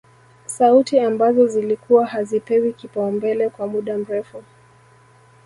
Sauti ambazo zilikuwa hazipewi kipaumbele kwa muda mrefu